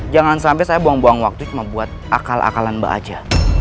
jangan sampai saya buang buang waktu cuma buat akal akalan mbak aja